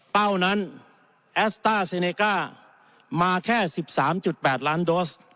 เป้านั้นแอสต้าเซเนก้ามาแค่๑๓๘ล้านโดส